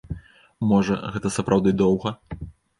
Можа, гэта сапраўды доўга?